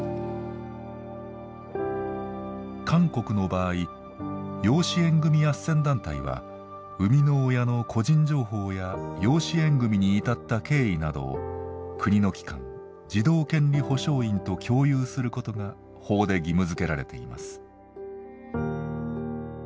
韓国の場合養子縁組あっせん団体は生みの親の個人情報や養子縁組に至った経緯などを国の機関「児童権利保障院」と共有することが法で義務づけられています。